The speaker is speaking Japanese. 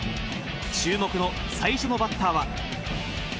注目の最初のバッターは。